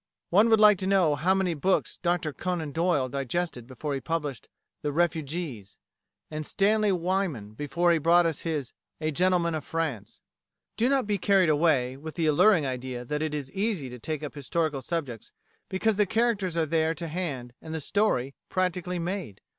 One would like to know how many books Dr Conan Doyle digested before he published "The Refugees," and Stanley Weyman before he brought out his "A Gentleman of France." Do not be carried away with the alluring idea that it is easy to take up historical subjects because the characters are there to hand, and the "story" practically "made."